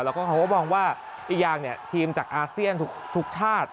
แล้วก็เขาก็มองว่าอีกอย่างทีมจากอาเซียนทุกชาติ